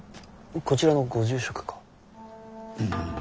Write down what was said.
こちらのご住職か？